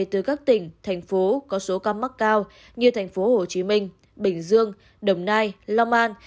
từ các tỉnh thành phố có số ca mắc cao như thành phố hồ chí minh bình dương đồng nai long an